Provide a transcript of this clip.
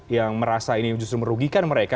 yang merasa ini justru merugikan mereka